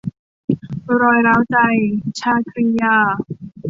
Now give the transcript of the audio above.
รอยร้าวใจ - ชาครียา